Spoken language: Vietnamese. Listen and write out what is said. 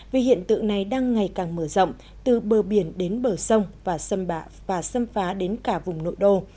vì hiện tượng này đang ngày càng mở rộng từ bờ biển đến bờ sông và xâm phá đến cả vùng nội đô